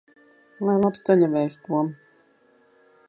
Lai labs ceļavējš, Tom!